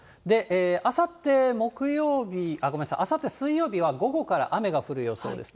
あさって木曜日、ごめんなさい、あさって水曜日は、午後から雨が降る予想です。